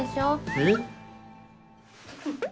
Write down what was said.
えっ？